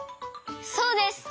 そうです！